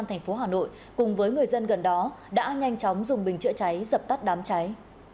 những người dân gần đó đã nhanh chóng dùng bình chữa cháy dập tắt đám cháy